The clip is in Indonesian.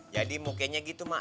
jadi mukanya gitu mak